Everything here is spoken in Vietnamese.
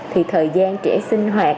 thì thời gian trẻ sinh hoạt